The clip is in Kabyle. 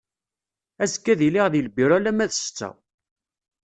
Azekka ad iliɣ di lbiru alarma d setta.